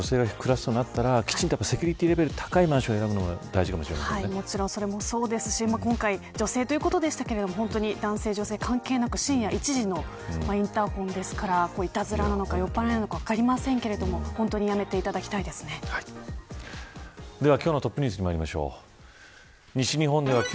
女性が住むとなったらきちんとセキュリティーレベルが高いマンションを選ぶのがもちろんそれもそうですし今回は女性でしたが男性、女性関係なく深夜１時のインターホンですからいたずらなのか酔っぱらいなのか分かりませんがでは、今日のトップニュースにまいりましょう。